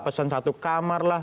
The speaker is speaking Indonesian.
pesan satu kamar lah